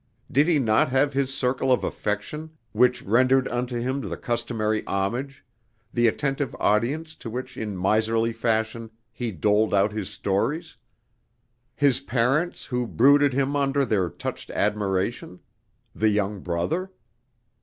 Did he not have his circle of affection which rendered unto him the customary homage the attentive audience to which in miserly fashion he doled out his stories his parents who brooded him under their touched admiration the young brother?...